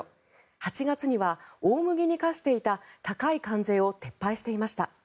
８月には大麦に課していた高い関税を撤廃していました。